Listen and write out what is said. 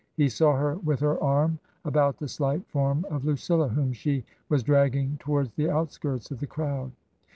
He saw her with her arm about the slight form of Lucilla, whom she was dragging towards the outskirts of the crowd.